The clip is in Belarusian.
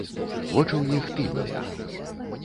Вочы ў іх пільныя.